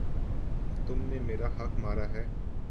تم نے میرا حق مارا ہے